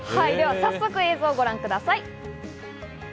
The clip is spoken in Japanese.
早速映像をご覧ください。